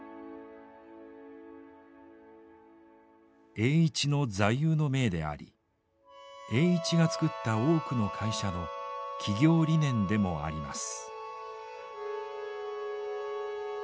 栄一の座右の銘であり栄一が作った多くの会社の企業理念でもあります。